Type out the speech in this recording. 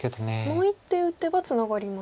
もう一手打てばツナがりますか？